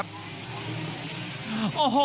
โอ้โหโอ้โหโอ้โห